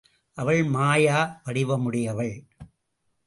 அவள் மாயா வடிவமுடையாள்.